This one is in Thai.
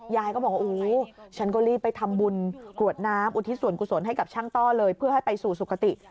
ยายก็บอกว่าอู้ฉันก็รีบไปทำบุญกรวดน้ำอุทิศส่วนกุศลให้กับช่างต้อเลยเพื่อให้ไปสู่สุขติ